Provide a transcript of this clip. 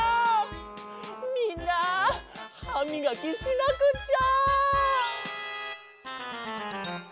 みんなはみがきしなくっちゃ！